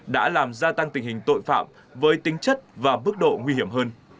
đã làm gia tăng tình hình tội phạm với tính chất và mức độ nguy hiểm hơn